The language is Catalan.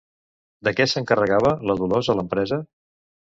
De què s'encarregava la Dolors a l'empresa?